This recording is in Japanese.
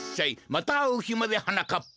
またあうひまではなかっぱ。